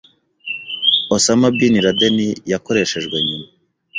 Osam Bin Laden yakoreshejwe nyuma